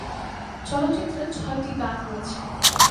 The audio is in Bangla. চলচ্চিত্রে ছয়টি গান রয়েছে।